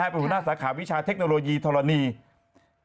ผู้หน้าสาขาวิชาเทคโนโลยีธรณีย์